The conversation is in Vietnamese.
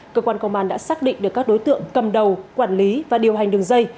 cơ quan công an đã xác định được các đối tượng cầm đầu quản lý và điều hành đường dây